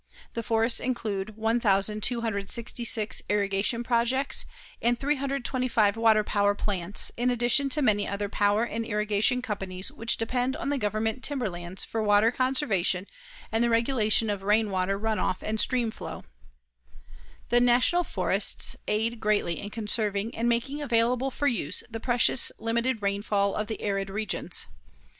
The forests include 1266 irrigation projects and 325 water power plants, in addition to many other power and irrigation companies which depend on the Government timberlands for water conservation and the regulation of rain water run off and stream flow. The National Forests aid greatly in conserving and making available for use the precious limited rainfall of the arid regions.